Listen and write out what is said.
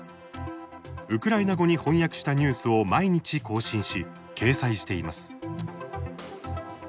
ウクライナ語に翻訳したニュースを毎日更新し掲載しています。